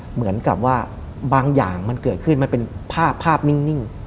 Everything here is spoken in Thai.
เหมือนกับว่าบางอย่างมันเกิดขึ้นมันเป็นภาพนิ่ง